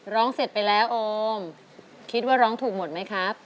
ร้องเสร็จไปแล้วโอมคิดว่าร้องถูกหมดไหมครับ